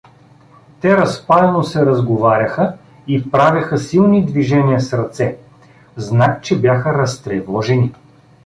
Те разпалено се разговаряха и правеха силни движения с ръце, знак, че бяха разтревожени.